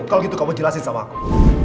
kalau gitu kamu jelasin sama aku